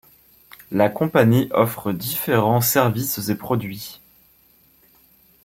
La compagnie offre différents services et produits.